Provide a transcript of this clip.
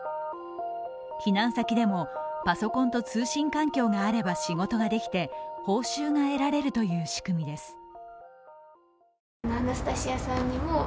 避難先でも、パソコンと通信環境があれば仕事ができて、報酬が得られるという仕組みです。